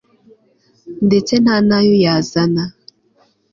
ndetse nta n'ayo yazana